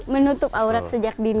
menutup aurat sejak itu